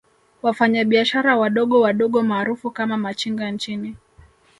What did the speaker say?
Wafanya biashara wadogo wadogo maarufu kama Machinga nchini